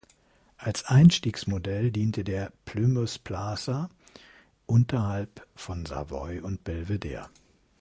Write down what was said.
Als Einstiegsmodell diente der Plymouth Plaza, unterhalb von Savoy und Belvedere.